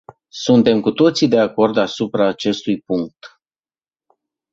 Suntem cu toții de acord asupra acestui punct.